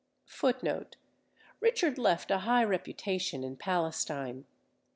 Richard left a high reputation in Palestine.